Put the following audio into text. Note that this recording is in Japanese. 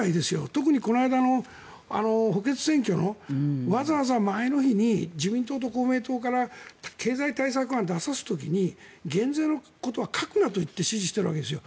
特にこの間の補欠選挙のわざわざ前の日に自民党と公明党から経済対策案を出させる時に減税のことは書くなと言って指示をしているわけですよ。